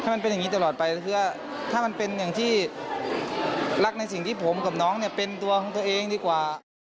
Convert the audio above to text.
มันเป็นอย่างนี้ตลอดไปก็คือว่าถ้ามันเป็นอย่างที่รักในสิ่งที่ผมกับน้องเนี่ยเป็นตัวของตัวเองดีกว่า